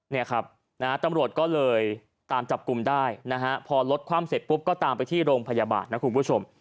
เนี่ยครับนะฮะตำรวจก็เลยตามจับกลุ่มได้นะฮะพอรถคว่ำเสร็จปุ๊บก็ตามไปที่โรงพยาบาลนะคุณผู้ชม